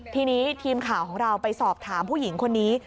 ทีนี้ทีมข่าวของเราไปสอบถามผู้หญิงคนนี้